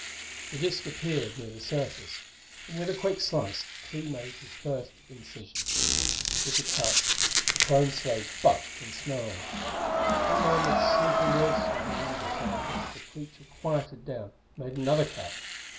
The disk appeared near the surface, and with a quick slice Clee made his first incision. With the cut, the prone slave bucked and snarled. Clee murmured soothing words to it in English, and, as the creature quieted down, made another cut.